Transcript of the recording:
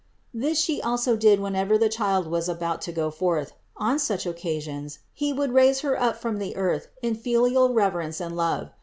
This She also did whenever the Child was about to go forth; on such occasions He would raise Her up from the earth in filial reverence and love.